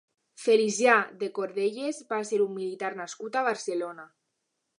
Felicià de Cordelles va ser un militar nascut a Barcelona.